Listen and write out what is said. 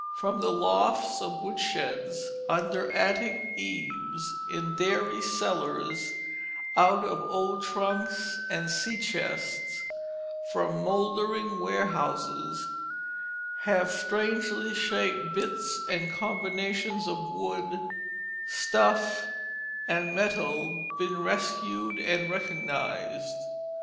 From the lofts of woodsheds, under attic eaves, in dairy cellars, out of old trunks and sea chests from mouldering warehouses, have strangely shaped bits and combinations of wood, stuff, and metal been rescued and recognized.